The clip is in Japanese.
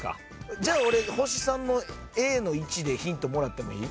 じゃあ俺星３のＡの１でヒントもらってもいい？